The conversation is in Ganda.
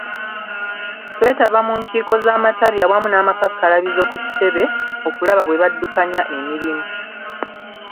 Twetaba mu nkiiko z’amatabi awamu n’amakakalabizo ku kitebe okulaba bwe baddukanya emirimu.